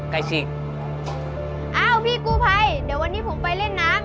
ใกล้ชิดอ้าวพี่กู้ภัยเดี๋ยววันนี้ผมไปเล่นน้ำ